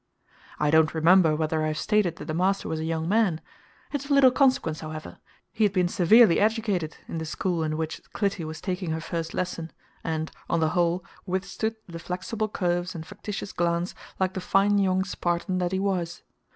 I don't remember whether I have stated that the master was a young man it's of little consequence, however; he had been severely educated in the school in which Clytie was taking her first lesson, and, on the whole, withstood the flexible curves and factitious glance like the fine young Spartan that he was.